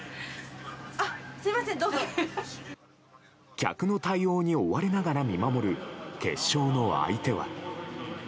客の対応に追われながら見守る決勝の相手は。